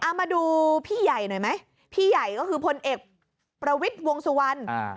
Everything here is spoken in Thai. เอามาดูพี่ใหญ่หน่อยไหมพี่ใหญ่ก็คือพลเอกประวิทย์วงสุวรรณอ่า